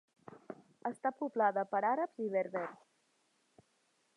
Està poblada per àrabs i berbers.